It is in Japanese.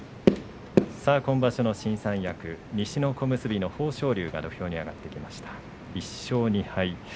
今場所の新三役、西の小結の豊昇龍が土俵に上がりました１勝２敗